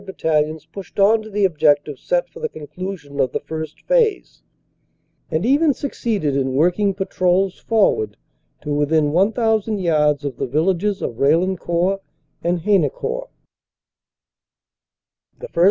Battalions pushed on to the objective set for the conclusion of the First Phase, and even succeeded in working patrols for ward to within 1,000 yards of the villages of Raillencourt and Haynecourt. "The 1st.